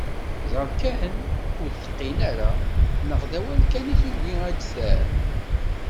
Ẓer kan ur teqqin ara neɣ d awal kan i tugi ad d-terr.